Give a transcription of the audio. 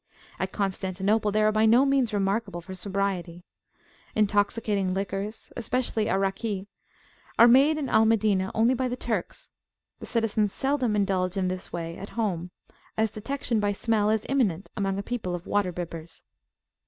At Constantinople they are by no means remarkable for sobriety. Intoxicating liquors, especially Araki, are made in Al Madinah, only by the Turks: the citizens seldom indulge in this way at home, as detection by smell is imminent among a people of water bibbers.